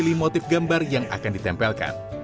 selanjutnya pilih motif gambar yang akan ditempelkan